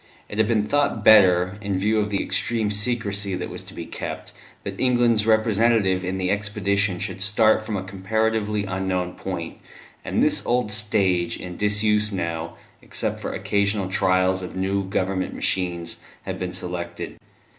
It had been thought better, in view of the extreme secrecy that was to be kept, that England's representative in the expedition should start from a comparatively unknown point, and this old stage, in disuse now, except for occasional trials of new Government machines, had been selected.